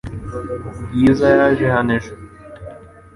Bwiza yaje hano ejo .